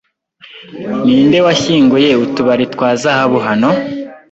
Ninde washyinguye utubari twa zahabu hano?